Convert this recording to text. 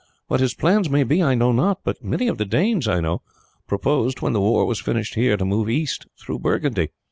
What his plans may be I know not, but many of the Danes, I know, purposed, when the war was finished here, to move east through Burgundy.